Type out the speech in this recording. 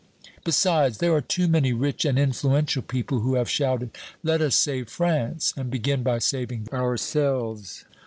"Besides, there are too many rich and influential people who have shouted, 'Let us save France! and begin by saving ourselves!'